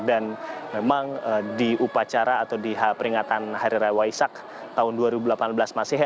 memang di upacara atau di peringatan hari raya waisak tahun dua ribu delapan belas masih